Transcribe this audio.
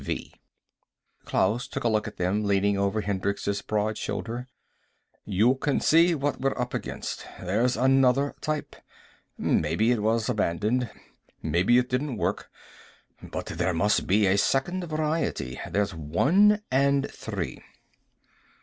Klaus took a look at them, leaning over Hendricks' broad shoulder. "You can see what we're up against. There's another type. Maybe it was abandoned. Maybe it didn't work. But there must be a Second Variety. There's One and Three."